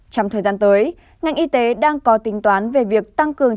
trong thời gian tới ngành y tế đang có tính toán về việc tăng cường